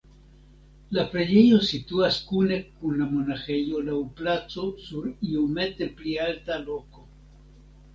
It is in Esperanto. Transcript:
La preĝejo situas kune kun la monaĥejo laŭ placo sur iomete pli alta loko.